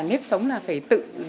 nếp sống là phải tự